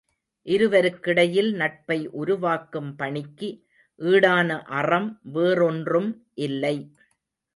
இருவருக்கிடையில் நட்பை உருவாக்கும் பணிக்கு ஈடான அறம் வேறொன்றும் இல்லை.